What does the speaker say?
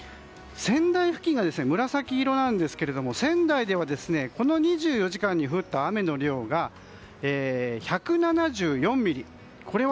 仙台付近が紫色なんですけれども仙台ではこの２４時間に降った雨の量が１７４ミリ。